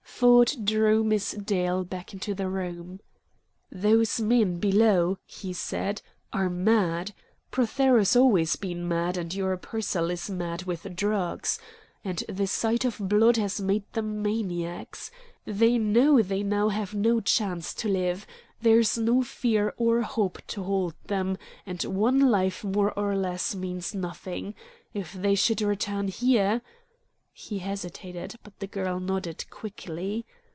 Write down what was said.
Ford drew Miss Dale back into the room. "Those men below," he said, "are mad. Prothero's always been mad, and your Pearsall is mad with drugs. And the sight of blood has made them maniacs. They know they now have no chance to live. There's no fear or hope to hold them, and one life more or less means nothing. If they should return here " He hesitated, but the girl nodded quickly.